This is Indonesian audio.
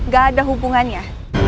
gak ada hubungannya